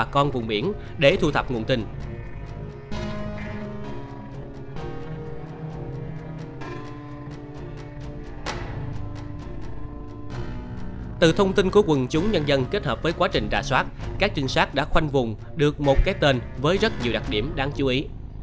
các trinh sát đã khoanh vùng được một cái tên với rất nhiều đặc điểm đáng chú ý